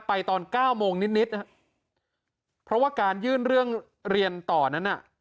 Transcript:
ตอนเก้าโมงนิดนิดเพราะว่าการยื่นเรื่องเรียนต่อนั้นน่ะ